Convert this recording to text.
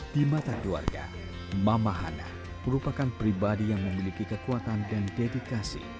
di mata keluarga mama hana merupakan pribadi yang memiliki kekuatan dan dedikasi